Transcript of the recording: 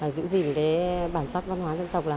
giữ gìn bản chất văn hoá dân tộc là